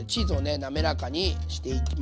なめらかにしていきます。